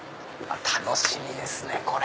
楽しみですね！